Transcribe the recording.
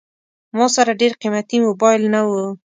ما سره ډېر قیمتي موبایل نه و.